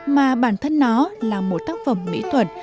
mà bản thân nó là một tác phẩm mỹ thuật